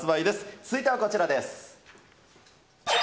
続いてはこちらです。